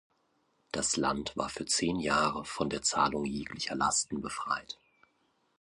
Das Land war für zehn Jahre von der Zahlung jeglicher Lasten befreit.